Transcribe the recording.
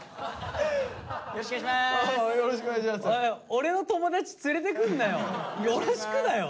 俺の友達連れてくんなよ。